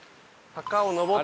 坂を上って。